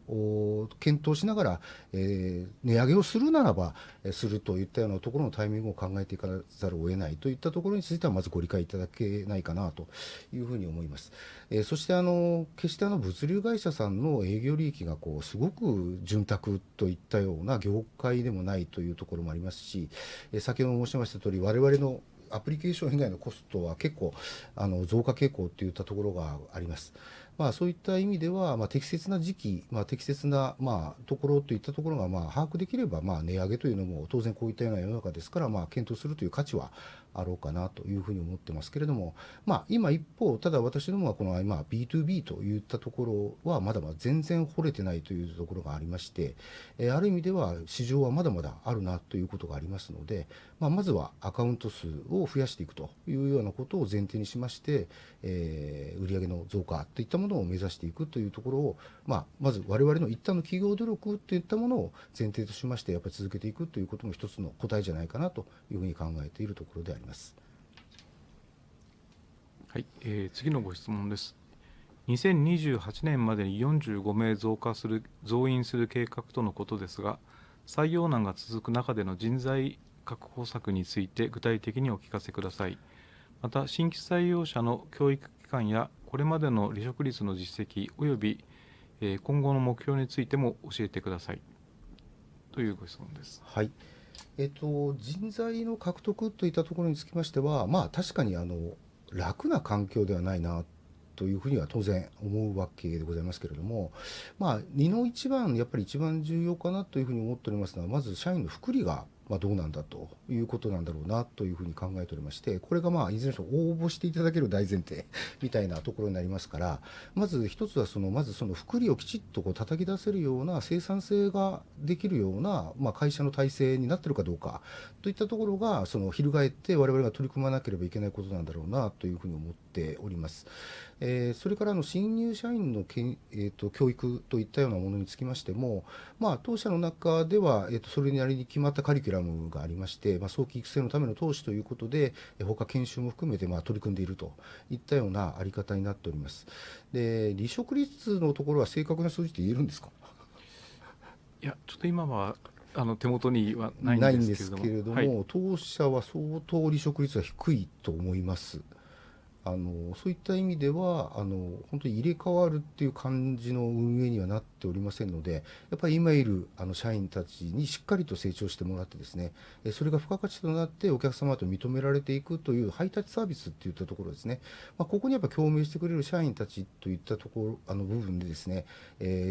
検討しながら、値上げをするならば、するといったようなところのタイミングを考えていかざるを得ないといったところについてはまずご理解いただけないかなというふうに思います。そして決してその物流会社さんの営業利益がこうすごく潤沢といったような業界でもないというところもありますし、先ほど申しましたとおり我々のアプリケーション以外のコストは結構、増加傾向といったところがあります。そういった意味では、適切な時期、適切な、ところといったところが、把握できれば、値上げというのも当然こういったような世の中ですから、検討するという価値はあろうかなというふうに思ってますけれども、今一方ただ私どもはこの今 BtoB といったところはまだまだ全然掘れてないというところがありまして、ある意味では市場はまだまだあるなということがありますので、まずはアカウント数を増やしていくというようなことを前提にしまして、売上の増加といったものを目指していくというところを、まず我々の一端の企業努力といったものを前提としましてやっぱり続けていくということも一つの答えじゃないかなというふうに考えているところであります。はい、次のご質問です。2028年までに45名増加する、増員する計画とのことですが、採用難が続く中での人材確保策について具体的にお聞かせください。また新規採用者の教育期間やこれまでの離職率の実績および、今後の目標についても教えてくださいというご質問です。はい。人材の獲得といったところにつきましては、確かに楽な環境ではないなというふうには当然思うわけでございますけれども、一番やっぱり一番重要かなというふうに思っておりますのはまず社員の福利が、どうなんだということなんだろうなというふうに考えておりまして、これがいずれにしても応募していただける大前提みたいなところになりますから、まず一つはそのまずその福利をきちっとこう叩き出せるような生産性ができるような、会社の体制になってるかどうかといったところがその翻って我々が取り組まなければいけないことなんだろうなというふうに思っております。それから新入社員の、教育といったようなものにつきましても、当社の中では、それなりに決まったカリキュラムがありまして、早期育成のための投資ということで、ほか研修も含めて取り組んでいるといったようなあり方になっております。で、離職率のところは正確な数字って言えるんですか。いや、ちょっと今は、手元にはないんですけれども、当社は相当離職率は低いと思います。そういった意味では、ほんとに入れ替わるっていう感じの運営にはなっておりませんので、やっぱり今いる、社員たちにしっかりと成長してもらってですね、それが付加価値となってお客様と認められていくというハイタッチサービスっていったところですね、ここにやっぱ共鳴してくれる社員たちといったところ、部分でですね、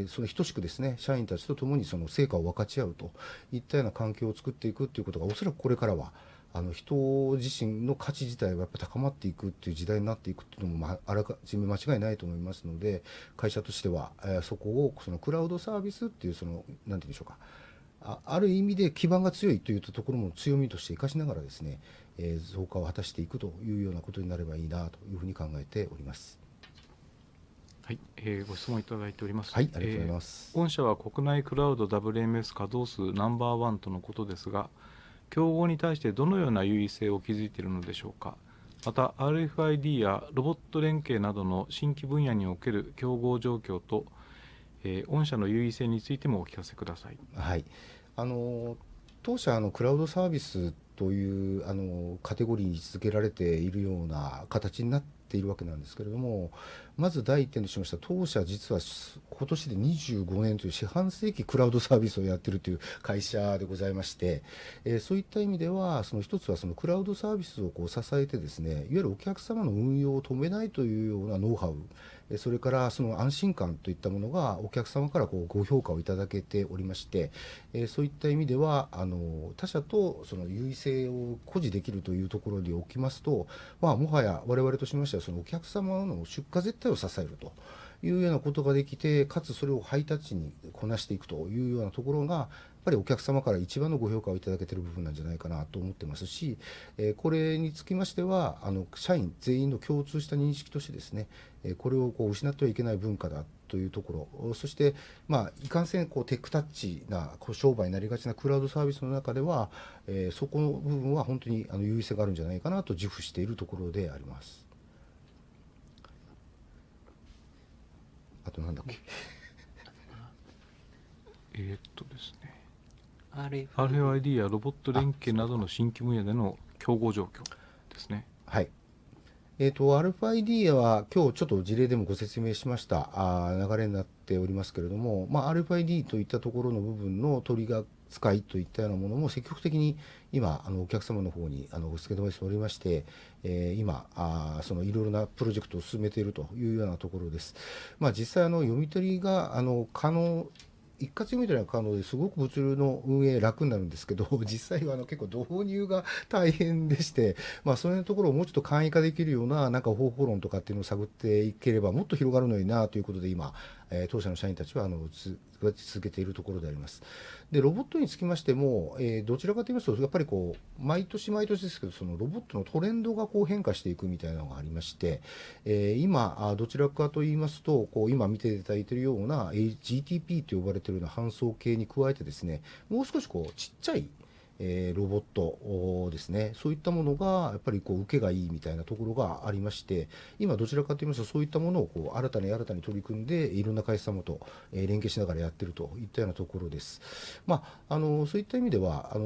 その等しくですね、社員たちとともにその成果を分かち合うといったような環境を作っていくっていうことがおそらくこれからは、人自身の価値自体はやっぱ高まっていくっていう時代になっていくっていうのも、あらかじめ間違いないと思いますので、会社としては、そこをそのクラウドサービスっていうその、なんていうんでしょうか、ある意味で基盤が強いといったところも強みとして生かしながらですね、増加を果たしていくというようなことになればいいなというふうに考えております。はい、ご質問いただいております。はい、ありがとうございます。御社は国内クラウド WMS 稼働数ナンバーワンとのことですが、競合に対してどのような優位性を築いているのでしょうか。また RFID やロボット連携などの新規分野における競合状況と、御社の優位性についてもお聞かせください。はい。当社、クラウドサービスという、カテゴリーに位置づけられているような形になっているわけなんですけれども、まず第一点としましては当社実は今年で25年という四半世紀クラウドサービスをやってるという会社でございまして、そういった意味ではその一つはそのクラウドサービスをこう支えてですね、いわゆるお客様の運用を止めないというようなノウハウ、それからその安心感といったものがお客様からこうご評価をいただけておりまして、そういった意味では、他社とその優位性を誇示できるというところにおきますと、もはや我々としましてはそのお客様の出荷絶対を支えるというようなことができて、かつそれをハイタッチにこなしていくというようなところがやっぱりお客様から一番のご評価をいただけてる部分なんじゃないかなと思ってますし、これにつきましては、社員全員の共通した認識としてですね、これをこう失ってはいけない文化だというところ、そして、いかんせんこうテックタッチなこう商売になりがちなクラウドサービスの中では、そこの部分は本当に優位性があるんじゃないかなと自負しているところであります。あとなんだっけ。RFID やロボット連携などの新規分野での競合状況ですね。はい。RFID は今日ちょっと事例でもご説明しました、流れになっておりますけれども、RFID といったところの部分のトリガー使いといったようなものも積極的に今お客様のほうにお付け止めしておりまして、今、そのいろいろなプロジェクトを進めているというようなところです。実際読み取りが可能、一括読み取りが可能ですごく物流の運営楽になるんですけど、実際は結構導入が大変でして、そういうところをもうちょっと簡易化できるようななんか方法論とかっていうのを探っていければもっと広がるのになあということで今、当社の社員たちは続けているところであります。でロボットにつきましても、どちらかといいますとやっぱりこう毎年毎年ですけどそのロボットのトレンドがこう変化していくみたいなのがありまして、今、どちらかといいますとこう今見ていただいてるような、GTP と呼ばれてるような搬送系に加えてですね、もう少しこうちっちゃい、ロボット、ですね、そういったものがやっぱりこう受けがいいみたいなところがありまして、今どちらかといいますとそういったものをこう新たに新たに取り組んでいろんな会社様と、連携しながらやってるといったようなところです。そういった意味では、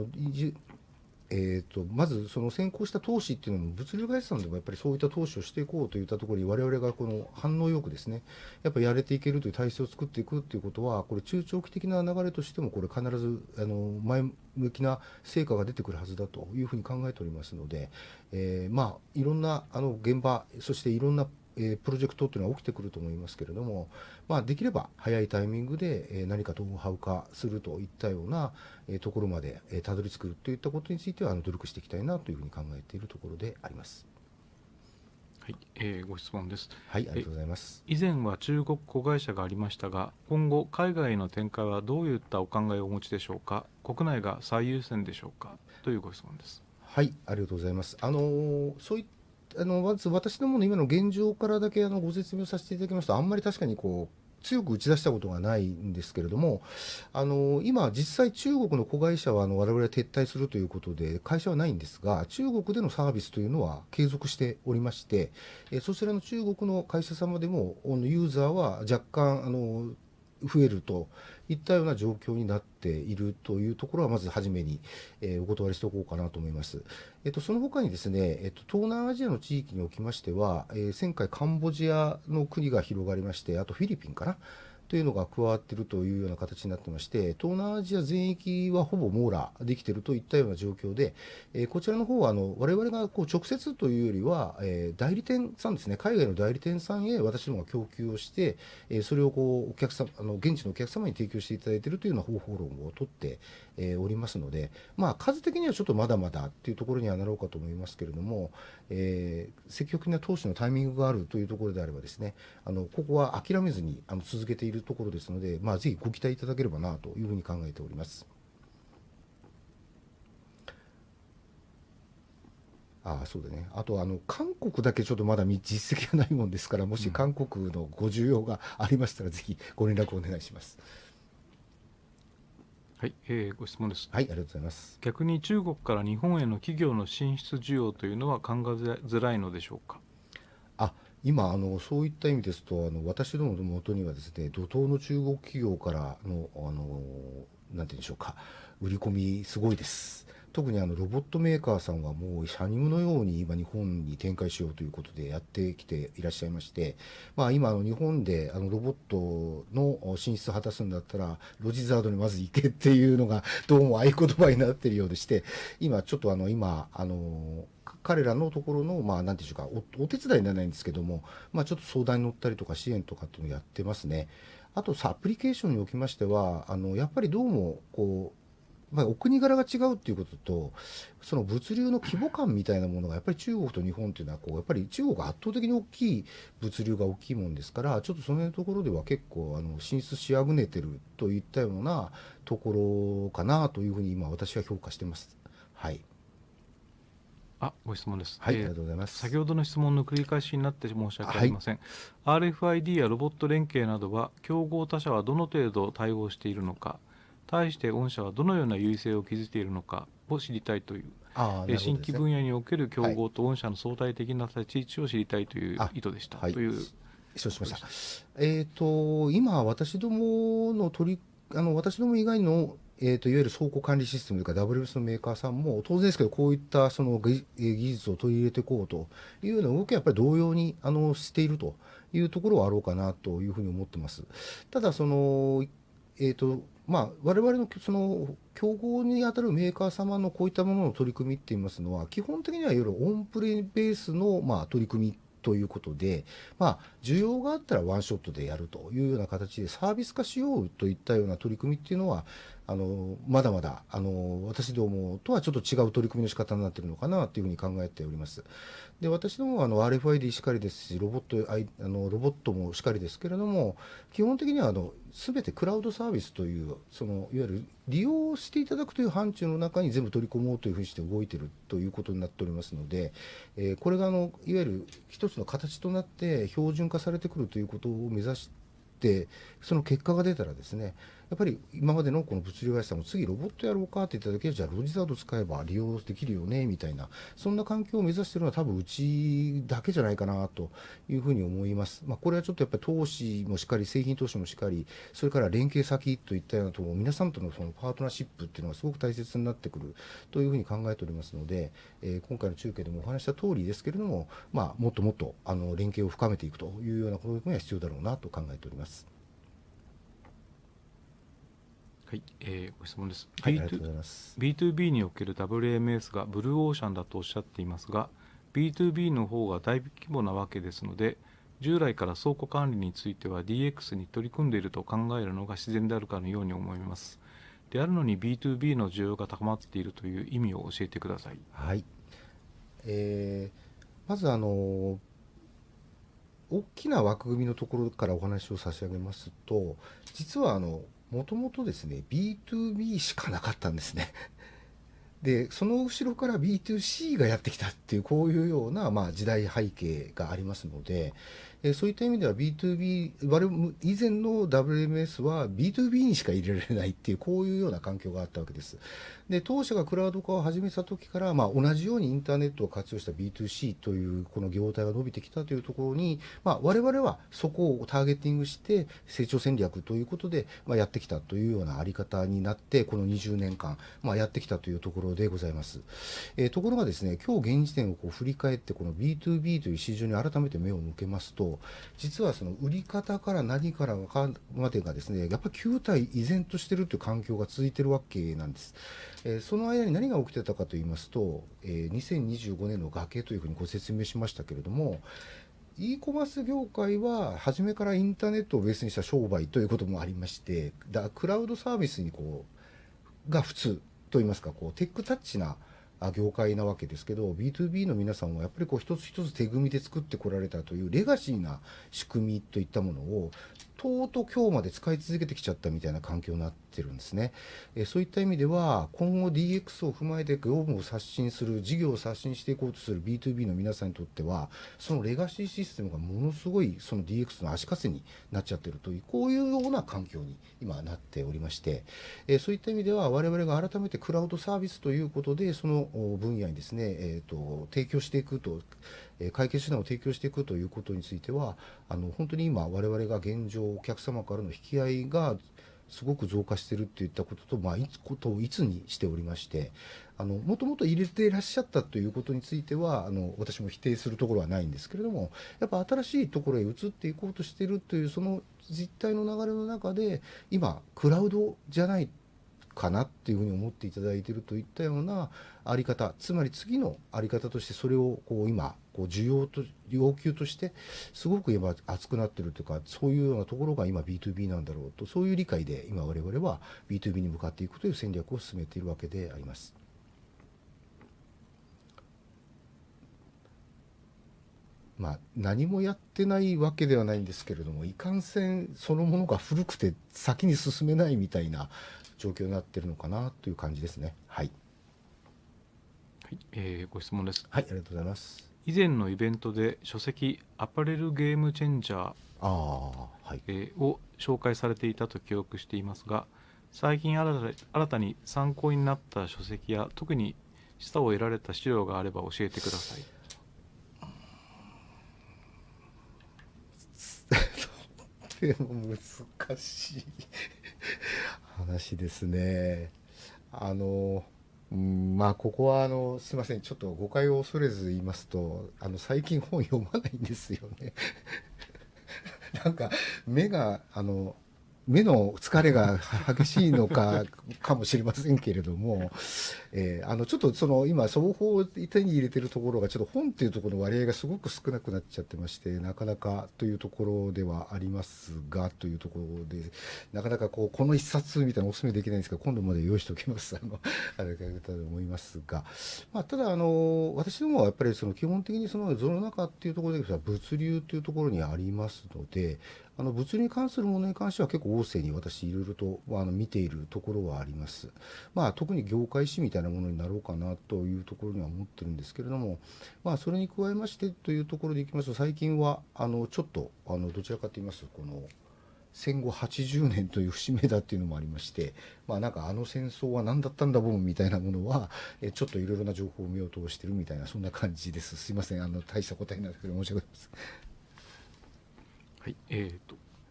じ、まずその先行した投資っていうのも物流会社さんでもやっぱりそういった投資をしていこうといったところに我々がこの反応良くですね、やっぱやれていけるという体制を作っていくっていうことはこれ中長期的な流れとしてもこれ必ず前向きな成果が出てくるはずだというふうに考えておりますので、いろんな現場、そしていろんな、プロジェクトっていうのは起きてくると思いますけれども、できれば早いタイミングで、何かノウハウ化するといったような、ところまで、たどり着くといったことについては努力していきたいなというふうに考えているところであります。はい、ご質問です。はい、ありがとうございます。以前は中国子会社がありましたが、今後海外への展開はどういったお考えをお持ちでしょうか。国内が最優先でしょうか。というご質問です。はい、ありがとうございます。そういった、まず私どもの今の現状からだけご説明をさせていただきますと、あんまり確かにこう強く打ち出したことがないんですけれども、今実際中国の子会社は我々は撤退するということで会社はないんですが、中国でのサービスというのは継続しておりまして、そちらの中国の会社様でも、ユーザーは若干増えるといったような状況になっているというところはまず初めに、お断りしておこうかなと思います。そのほかにですね、東南アジアの地域におきましては、前回カンボジアの国が広がりまして、あとフィリピンかな、というのが加わってるというような形になってまして、東南アジア全域はほぼ網羅できてるといったような状況で、こちらのほうは我々がこう直接というよりは、代理店さんですね、海外の代理店さんへ私どもが供給をして、それをこうお客さ、現地のお客様に提供していただいてるというような方法論をとって、おりますので、数的にはちょっとまだまだっていうところにはなろうかと思いますけれども、積極的な投資のタイミングがあるというところであればですね、ここは諦めずに続けているところですので、ぜひご期待いただければなというふうに考えております。そうだね。あと韓国だけちょっとまだ実績がないもんですから、もし韓国のご需要がありましたらぜひご連絡をお願いします。はい、ご質問です。はい、ありがとうございます。逆に中国から日本への企業の進出需要というのは考えづらいのでしょうか。今そういった意味ですと私どもの元にはですね、怒涛の中国企業からの、なんていうんでしょうか、売り込みすごいです。特にロボットメーカーさんはもう車輪のように今日本に展開しようということでやってきていらっしゃいまして、今日本でロボットの進出果たすんだったらロジザードにまず行けっていうのがどうも合言葉になってるようでして、今ちょっと今彼らのところの、なんていうんでしょうか、お手伝いにならないんですけども、ちょっと相談に乗ったりとか支援とかっていうのをやってますね。あとアプリケーションにおきましては、やっぱりどうもこう、お国柄が違うっていうことと、その物流の規模感みたいなものがやっぱり中国と日本っていうのはこうやっぱり中国が圧倒的に大きい、物流が大きいもんですから、ちょっとその辺のところでは結構進出しあぐねてるといったようなところかなというふうに今私は評価してます。はい。ご質問です。はい、ありがとうございます。先ほどの質問の繰り返しになって申し訳ありません。RFID やロボット連携などは競合他社はどの程度対応しているのか、対して御社はどのような優位性を築いているのかを知りたいという、新規分野における競合と御社の相対的な立ち位置を知りたいという意図でした。という。承知しました。今私どもの取り、私ども以外の、といういわゆる倉庫管理システムとか WMS のメーカーさんも当然ですけどこういったその、技術を取り入れてこうというような動きはやっぱり同様に、しているというところはあろうかなというふうに思ってます。ただその、まあ我々のその競合にあたるメーカー様のこういったものの取り組みって言いますのは基本的にはいわゆるオンプレベースの、取り組みということで、需要があったらワンショットでやるというような形でサービス化しようといったような取り組みっていうのは、まだまだ私どもとはちょっと違う取り組みの仕方になってるのかなっていうふうに考えております。で私どもは RFID しかりですしロボット、ロボットもしかりですけれども、基本的にはすべてクラウドサービスという、そのいわゆる利用していただくという範疇の中に全部取り込もうというふうにして動いてるということになっておりますので、これがいわゆる一つの形となって標準化されてくるということを目指して、その結果が出たらですね、やっぱり今までのこの物流会社さんも次ロボットやろうかって言っただけじゃロジザード使えば利用できるよねみたいな、そんな環境を目指してるのは多分うちだけじゃないかなというふうに思います。これはちょっとやっぱり投資もしかり製品投資もしかり、それから連携先といったようなところ、皆さんとのそのパートナーシップっていうのがすごく大切になってくるというふうに考えておりますので、今回の中継でもお話ししたとおりですけれども、もっともっと連携を深めていくというような取り組みが必要だろうなと考えております。はい、ご質問です。はい。ありがとうございます。BtoB における WMS がブルーオーシャンだとおっしゃっていますが、BtoB のほうが大規模なわけですので、従来から倉庫管理については DX に取り組んでいると考えるのが自然であるかのように思います。であるのに BtoB の需要が高まっているという意味を教えてください。はい。まず大きな枠組みのところからお話を差し上げますと、実は元々ですね BtoB しかなかったんですね。でその後ろから BtoC がやってきたっていうこういうような時代背景がありますので、そういった意味では BtoB、我々以前の WMS は BtoB にしか入れられないっていうこういうような環境があったわけです。で当社がクラウド化を始めたときからまあ同じようにインターネットを活用した BtoC というこの業態が伸びてきたというところに、我々はそこをターゲッティングして成長戦略ということで、やってきたというようなあり方になってこの20年間、やってきたというところでございます。ところがですね、今日現時点をこう振り返ってこの BtoB という市場に改めて目を向けますと、実はその売り方から何から分かるまでがですね、やっぱり旧態依然としてるっていう環境が続いてるわけなんです。その間に何が起きてたかと言いますと、2025年の崖というふうにご説明しましたけれども、e コマース業界は初めからインターネットをベースにした商売ということもありまして、だ、クラウドサービスにこう、が普通と言いますか、こうテックタッチな、業界なわけですけど、BtoB の皆さんはやっぱりこう一つ一つ手組みで作ってこられたというレガシーな仕組みといったものを、とうと今日まで使い続けてきちゃったみたいな環境になってるんですね。そういった意味では今後 DX を踏まえて業務を刷新する、事業を刷新していこうとする BtoB の皆さんにとっては、そのレガシーシステムがものすごいその DX の足かせになっちゃってるという、こういうような環境に今なっておりまして、そういった意味では我々が改めてクラウドサービスということでその、分野にですね、提供していくと、解決手段を提供していくということについては、本当に今我々が現状お客様からの引き合いがすごく増加してるっていったことと、いつことをいつにしておりまして、元々入れてらっしゃったということについては、私も否定するところはないんですけれども、やっぱ新しいところへ移っていこうとしてるというその実態の流れの中で、今クラウドじゃないかなっていうふうに思っていただいてるといったようなあり方、つまり次のあり方としてそれをこう今、こう需要と、要求としてすごく今熱くなってるっていうか、そういうようなところが今 BtoB なんだろうと、そういう理解で今我々は BtoB に向かっていくという戦略を進めているわけであります。何もやってないわけではないんですけれども、いかんせんそのものが古くて先に進めないみたいな状況になってるのかなという感じですね。はい。はい、ご質問です。はい、ありがとうございます。以前のイベントで書籍『アパレルゲームチェンジャー』、はい。を紹介されていたと記憶していますが、最近新たに参考になった書籍や特に示唆を得られた資料があれば教えてください。難しい話ですね。んー、ここはすいませんちょっと誤解を恐れず言いますと、最近本読まないんですよね。なんか目が、目の疲れが激しいのか、かもしれませんけれども、ちょっとその今双方手に入れてるところがちょっと本っていうとこの割合がすごく少なくなっちゃってまして、なかなかというところではありますがというところで、なかなかこうこの一冊みたいなお勧めできないんですけど、今度まで用意しときます、あれが良かったと思いますが、ただ私どもはやっぱりその基本的にその世の中っていうところで言うと物流っていうところにありますので、物流に関するものに関しては結構大勢に私いろいろと、見ているところはあります。特に業界誌みたいなものになろうかなというところには思ってるんですけれども、それに加えましてというところでいきますと最近はちょっと、どちらかと言いますとこの戦後80年という節目だっていうのもありまして、なんか戦争はなんだったんだもんみたいなものは、ちょっといろいろな情報を見ようとしてるみたいなそんな感じです。すいません大した答えになるんですけど申し訳ございません。はい、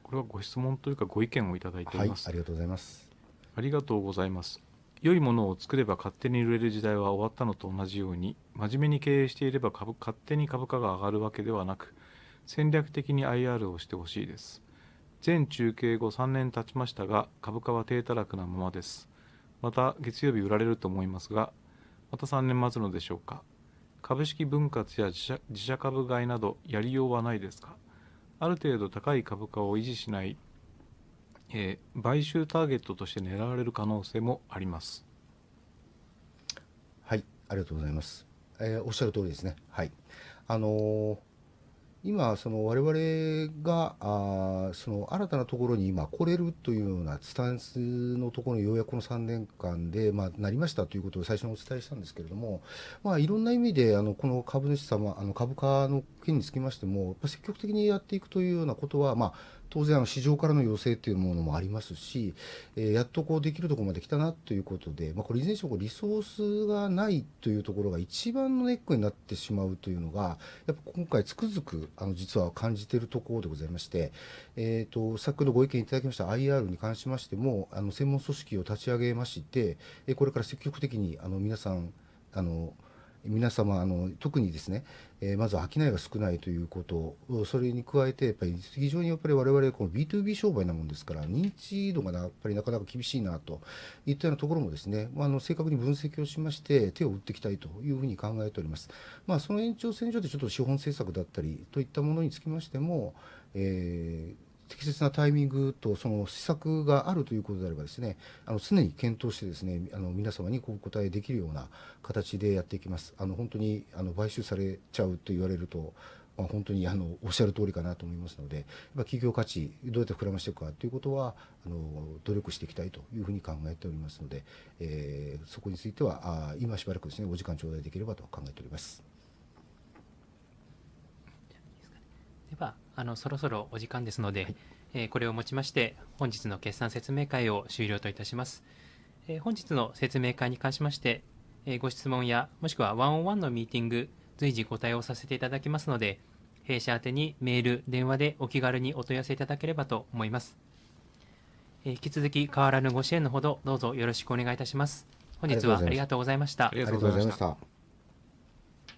これはご質問というかご意見をいただいております。はい、ありがとうございます。ありがとうございます。良いものを作れば勝手に売れる時代は終わったのと同じように、真面目に経営していれば勝手に株価が上がるわけではなく、戦略的に IR をしてほしいです。全中継後3年経ちましたが、株価は低迷なままです。また月曜日売られると思いますが、また3年待つのでしょうか。株式分割や自社株買いなどやりようはないですか。ある程度高い株価を維持しない、買収ターゲットとして狙われる可能性もあります。はい、ありがとうございます。おっしゃるとおりですね。はい。今その我々が、その新たなところに今来れるというようなスタンスのところようやくこの3年間で、なりましたということを最初にお伝えしたんですけれども、いろんな意味でこの株主様、株価の件につきましても、積極的にやっていくというようなことは、当然市場からの要請っていうものもありますし、やっとこうできるとこまで来たなということで、これ以前に言いましたけどリソースがないというところが一番のネックになってしまうというのが、やっぱ今回つくづく実は感じてるところでございまして、先ほどご意見いただきました IR に関しましても、専門組織を立ち上げまして、これから積極的に皆さん、皆様、特にですね、まずは商いが少ないということ、それに加えてやっぱり非常にやっぱり我々はこの BtoB 商売なもんですから認知度がやっぱりなかなか厳しいなといったようなところもですね、正確に分析をしまして手を打っていきたいというふうに考えております。その延長線上でちょっと資本政策だったりといったものにつきましても、適切なタイミングとその施策があるということであればですね、常に検討してですね、皆様にこうお答えできるような形でやっていきます。本当に買収されちゃうと言われると、本当におっしゃるとおりかなと思いますので、企業価値どうやって膨らましていくかっていうことは、努力していきたいというふうに考えておりますので、そこについては、今しばらくですね、お時間頂戴できればと考えております。じゃあいいですかね。ではそろそろお時間ですので、これをもちまして本日の決算説明会を終了といたします。本日の説明会に関しまして、ご質問やもしくはワンオンワンのミーティング、随時ご対応させていただきますので、弊社宛にメール、電話でお気軽にお問い合わせいただければと思います。引き続き変わらぬご支援のほどどうぞよろしくお願いいたします。本日はありがとうございました。ありがとうございました。